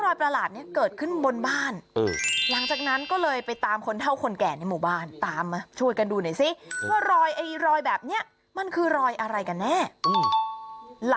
โอ้โฮโอ้โฮโอ้โฮโอ้โฮโอ้โฮโอ้โฮโอ้โฮ